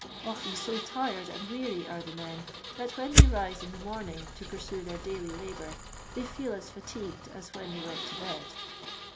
Often so tired and weary are the men, that when they rise in the morning to pursue their daily labour, they feel as fatigued as when they went to bed.